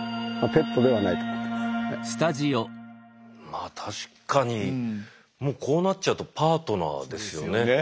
まあ確かにもうこうなっちゃうとパートナーですよね。